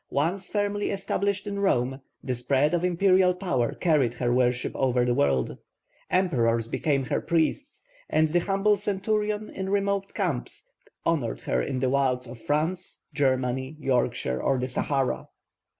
Once firmly established in Rome, the spread of Imperial power carried her worship over the world; emperors became her priests, and the humble centurion in remote camps honoured her in the wilds of France, Germany, Yorkshire, or the Sahara.